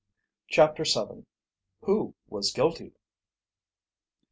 CHAPTER VII WHO WAS GUILTY?